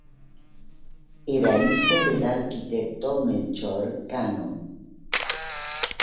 Era hijo del arquitecto Melchor Cano.